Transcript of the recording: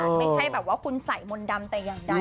ไม่ใช่แบบว่าคุณใส่มนต์ดำแต่อย่างใด